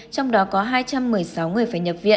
trong đó có hai trăm một mươi sáu người phải nhập viện